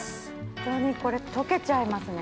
牛肉これ溶けちゃいますね。